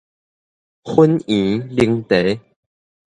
粉圓奶茶